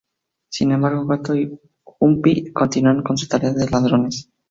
Sin embargo, Gato y Humpty continúan con su tarea de ladrones.